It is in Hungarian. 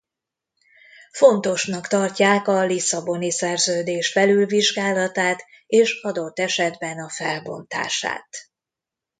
Fontosnak tartják a lisszaboni szerződés felülvizsgálatát és adott esetben a felbontását.